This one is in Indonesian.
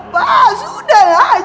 pak sudah aja